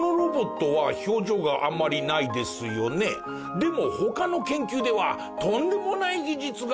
でも他の研究ではとんでもない技術が！